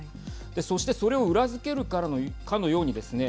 そして、それを裏付けるかのようにですね